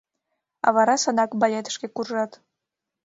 А вара садак балетышке куржат.